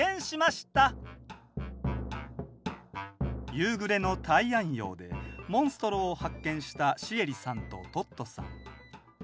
夕暮れのたいあん洋でモンストロを発見したシエリさんとトットさん。